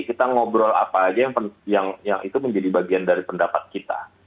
kita ngobrol apa aja yang itu menjadi bagian dari pendapat kita